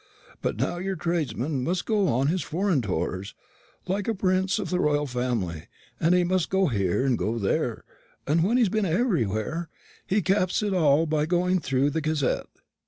But now your tradesman must go on his foreign tours, like a prince of the royal family, and he must go here and go there; and when he's been everywhere, he caps it all by going through the Gazette.